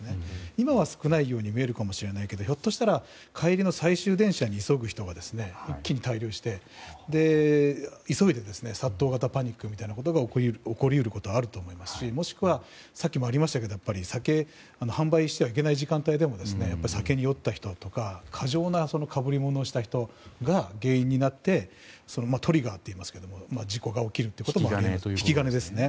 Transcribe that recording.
今は少ないように見えるかもしれないけどひょっとしたら帰りの最終電車に急ぐ人が一気に滞留して急いで殺到型パニックみたいなことが起こり得ることがあると思いますしもしくはさっきもありましたけど酒を販売してはいけない時間帯でも酒に酔った人とか過剰な被り物をした人が原因になってトリガーといいますけれども引き金ですね。